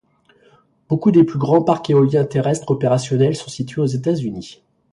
Beaucoup des plus grands parcs éoliens terrestres opérationnels sont situés aux États-Unis.